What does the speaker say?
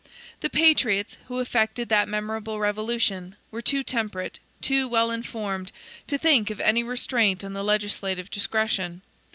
The patriots, who effected that memorable revolution, were too temperate, too wellinformed, to think of any restraint on the legislative discretion.